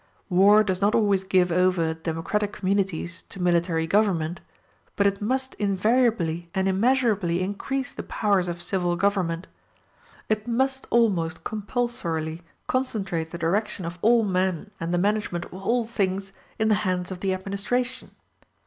War does not always give over democratic communities to military government, but it must invariably and immeasurably increase the powers of civil government; it must almost compulsorily concentrate the direction of all men and the management of all things in the hands of the administration.